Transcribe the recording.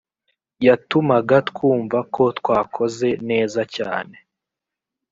yatumaga twumva ko twakoze neza cyane